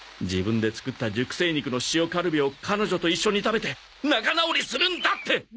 自分で作った熟成肉の塩カルビを彼女と一緒に食べて仲直りするんだって！